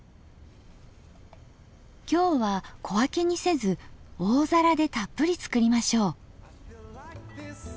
今日は小分けにせず大皿でたっぷり作りましょう。